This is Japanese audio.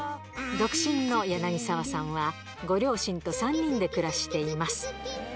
独身の柳澤さんは、ご両親と３人で暮らしています。